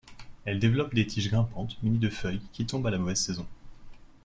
Elle développe des tiges grimpantes munies de feuilles qui tombent à la mauvaise saison.